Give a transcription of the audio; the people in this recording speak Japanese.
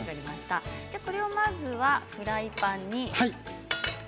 これをまずはフライパンに。